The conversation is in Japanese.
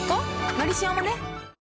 「のりしお」もね